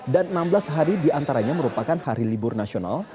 dan enam belas hari diantaranya merupakan hari libur nasional